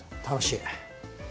楽しい。